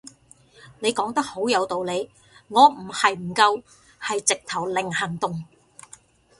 你講得好有道理，我唔係唔夠係直頭零行動